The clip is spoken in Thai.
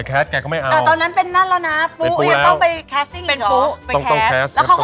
เขาก็ไม่เอาในโทรศัพท์